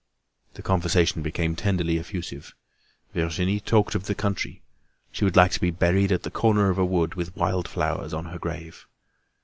The conversation became tenderly effusive. Virginie talked of the country: she would like to be buried at the corner of a wood with wild flowers on her grave.